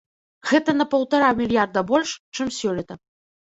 Гэта на паўтара мільярда больш, чым сёлета.